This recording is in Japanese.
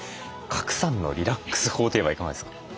賀来さんのリラックス法といえばいかがですか？